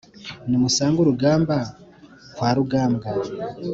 nimusange urugamba kwa rugambwa